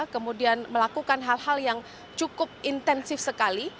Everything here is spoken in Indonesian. kemudian melakukan hal hal yang cukup intensif sekali